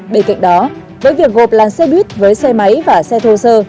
bên cạnh đó với việc gộp làn xe buýt với xe máy và xe thô sơ